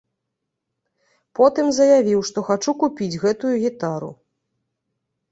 Потым заявіў, што хачу купіць гэтую гітару.